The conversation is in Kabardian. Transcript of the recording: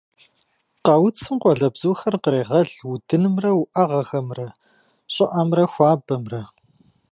Къэуцым къуалэбзухэр кърегъэл удынымрэ уӏэгъэхэмрэ, щӏыӏэмрэ хуабэмрэ.